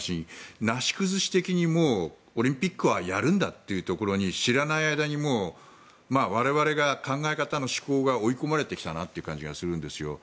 なし崩し的にもうオリンピックはやるんだというところに知らない間に我々が考え方の思考が追い込まれてきたなという感じがするんですよ。